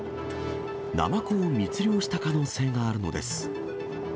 ナマコを密漁した可能性があるのです。